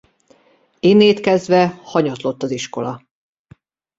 Innét kezdve hanyatlott az iskola.